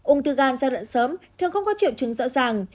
ung thư gan giai đoạn sớm thường không có triệu chứng rõ ràng